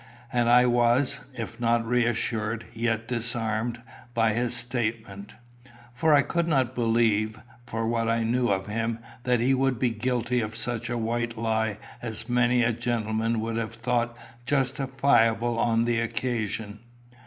And I was, if not reassured, yet disarmed, by his statement; for I could not believe, from what I knew of him, that he would be guilty of such a white lie as many a gentleman would have thought justifiable on the occasion.